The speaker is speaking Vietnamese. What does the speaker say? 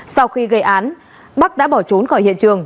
sau khi gây án bắc đã bỏ trốn khỏi hiện trường